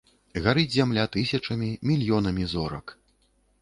Гарыць зямля тысячамі, мільёнамі зорак.